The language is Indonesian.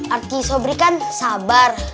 arti sobri kan sabar